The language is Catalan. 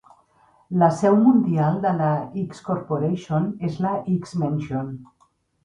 La seu mundial de la X-Corporation és la X-Mansion.